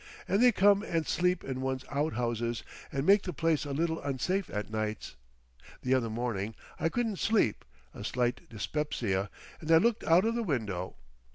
And they come and sleep in one's outhouses—and make the place a little unsafe at nights. The other morning I couldn't sleep—a slight dyspepsia—and I looked out of the window.